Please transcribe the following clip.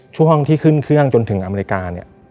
ช่วงห้องที่ขึ้นเครื่องจนถึงอเมริกาเนี่ย